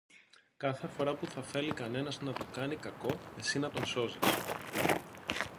Κάθε φορά που θα θέλει κανένας να του κάνει κακό, εσύ να τον σώζεις.